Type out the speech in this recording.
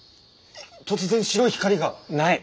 突然白い光が。ない！